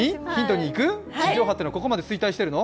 地上波っていうのはここまで衰退してるの？